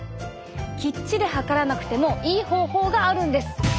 きっちり量らなくてもいい方法があるんです。